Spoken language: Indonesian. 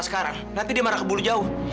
nanti dia marah ke bulu jauh